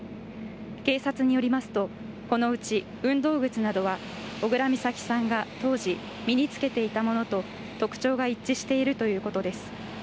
警察によりますとこのうち運動靴などは小倉美咲さんが当時身に着けていたものと特徴が一致しているということです。